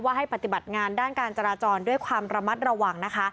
ให้ปฏิบัติงานด้านการจราจรด้วยความระมัดระวังนะคะ